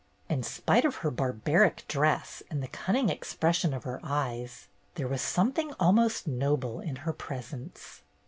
In spite of her barbaric dress and the cunning expression of her eyes, there was something almost noble in her presence.